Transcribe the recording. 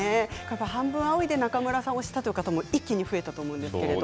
「半分、青い。」で中村さんを知った方も一気に増えたと思います。